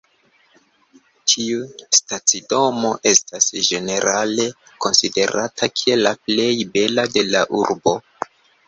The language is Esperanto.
Tiu stacidomo estas ĝenerale konsiderata kiel la plej bela de la urbo.